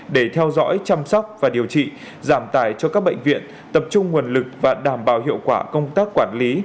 để theo dõi chăm sóc và điều trị giảm tài cho các bệnh viện tập trung nguồn lực và đảm bảo hiệu quả công tác quản lý